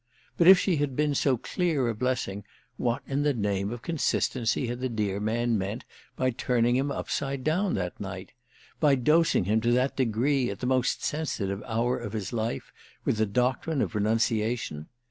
But if she had been so clear a blessing what in the name of consistency had the dear man meant by turning him upside down that night—by dosing him to that degree, at the most sensitive hour of his life, with the doctrine of renunciation?